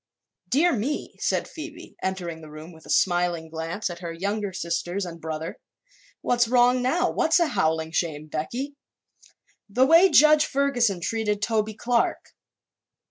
"Dear me," said Phoebe, entering the room with a smiling glance at her younger sisters and brother, "what's wrong now? What's a howling shame, Becky?" "The way Judge Ferguson treated Toby Clark."